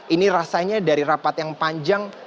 ini rasanya dari rapat yang panjang